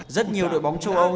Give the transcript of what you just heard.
rất nhiều đội bóng châu âu